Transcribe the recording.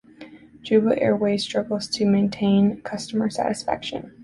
Jubba airways struggles to maintain customer satisfaction.